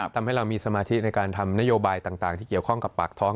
ทำให้เรามีสมาธิในการทำนโยบายต่างที่เกี่ยวข้องกับปากท้อง